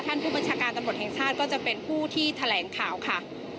ผู้บัญชาการตำรวจแห่งชาติก็จะเป็นผู้ที่แถลงข่าวค่ะ